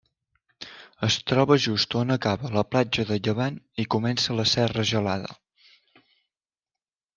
Es troba just on acaba la platja de Llevant i comença la Serra Gelada.